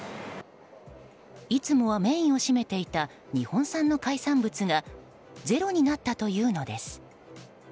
いつもはメインを占めていた日本産の海産物がゼロになったというのです。